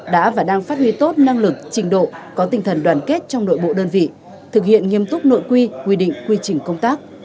đã và đang phát huy tốt năng lực trình độ có tinh thần đoàn kết trong nội bộ đơn vị thực hiện nghiêm túc nội quy quy định quy trình công tác